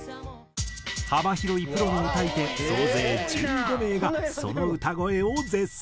幅広いプロの歌い手総勢１５名がその歌声を絶賛。